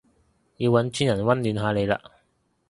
要搵專人溫暖下你嘞